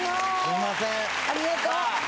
ありがとう！